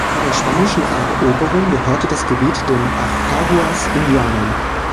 Vor der spanischen Eroberung gehörte das Gebiet den Achaguas-Indianern.